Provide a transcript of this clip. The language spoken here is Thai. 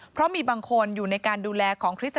เพราะมีบางคนอยู่ในการดูแลของคริสต